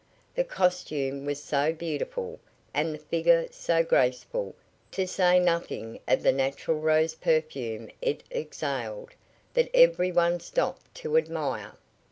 The costume was so beautiful, and the figure so graceful, to say nothing of the natural rose perfume it exhaled, that every one stopped to admire.